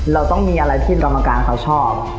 เราต้องมีอะไรที่กรรมการเขาชอบ